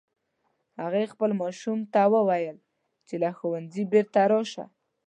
هغې خپل ماشوم ته وویل چې له ښوونځي بیرته راشه